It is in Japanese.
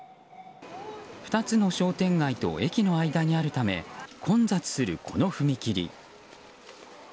２つの商店街と駅の間にあるため混雑する、この踏切。